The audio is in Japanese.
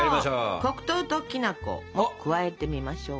黒糖ときなこを加えてみましょう。